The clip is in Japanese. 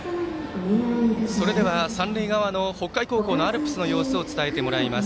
それでは三塁側の北海高校のアルプスの様子を伝えてもらいます。